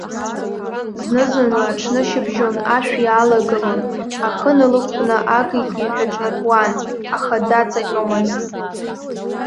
Зны-зынла аҽнышьыбжьон ашә иаалагылон, ахы налықәкны аки-киҳәа ҿнаҭуан, аха даҵаҟьомызт.